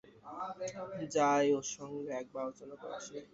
যাই, ওঁর সঙ্গে একবার আলোচনা করে আসিগে।